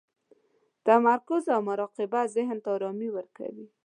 تمرکز او مراقبه ذهن ته ارامي ورکوي.